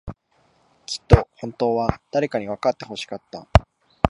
きっと、本当は、誰かにわかってほしかった。